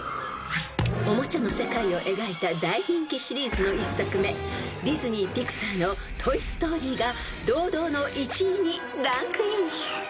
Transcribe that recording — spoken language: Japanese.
［おもちゃの世界を描いた大人気シリーズの１作目ディズニー・ピクサーの『トイ・ストーリー』が堂々の１位にランクイン］